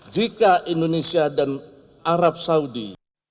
jika indonesia dan arab saudi